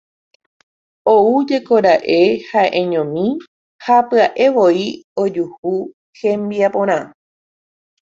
Oújekoraka'e ha'eñomi ha pya'evoi ojuhu hembiaporã.